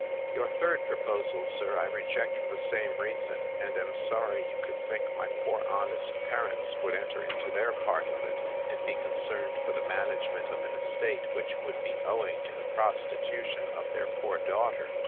Your third proposal, sir, I reject for the same reason; and am sorry you could think my poor honest parents would enter into their part of it, and be concerned for the management of an estate, which would be owing to the prostitution of their poor daughter.